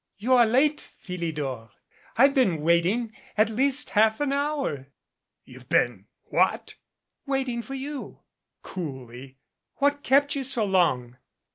"You are late, Philidor. I've been waiting at least half an hour." "You've been what?" "Waiting for you," coolly. "What kept you so long?"